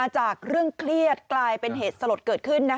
จากเรื่องเครียดกลายเป็นเหตุสลดเกิดขึ้น